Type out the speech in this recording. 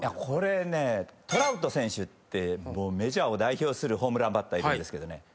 これねトラウト選手ってメジャーを代表するホームランバッターいるんですけどね